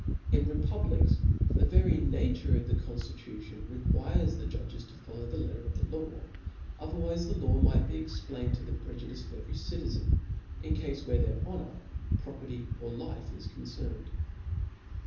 In republics, the very nature of the conftitution requires the judges to follow the letter of the law : otherwife the law might be explained to the prejudice of every citizen, in cafes where their honor, property or life are concerned.